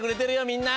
みんな。